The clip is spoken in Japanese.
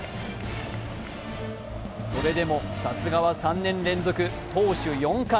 それでも、さすがは３年連続投手４冠。